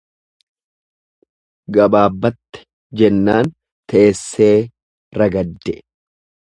Gabaabbatte jennaan teessee ragadde.